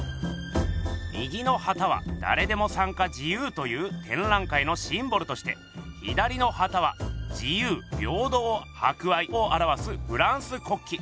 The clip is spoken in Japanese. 右の旗はだれでも参加自由というてんらい会のシンボルとして左の旗は自由平等博愛をあらわすフランス国旗。